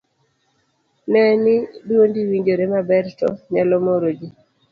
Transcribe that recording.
ne ni dwondi winjore maber to nyalo moro ji